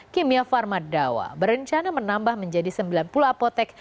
kimia pharma dawa berencana menambah menjadi sembilan puluh apotek